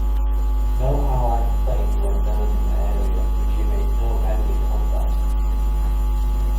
No Allied planes went down in the area, and she made no enemy contacts.